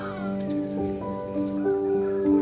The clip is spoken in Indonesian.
tidak ada yang bisa dikawal